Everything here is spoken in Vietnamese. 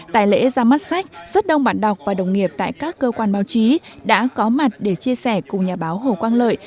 tại lễ ra mắt sách rất đông bạn đọc và đồng nghiệp tại các cơ quan báo chí đã có mặt để chia sẻ cùng nhà báo hồ quang lợi